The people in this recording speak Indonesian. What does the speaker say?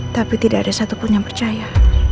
tapi tidak ada satupun yang percaya